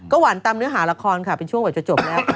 หวานตามเนื้อหาละครค่ะเป็นช่วงกว่าจะจบแล้ว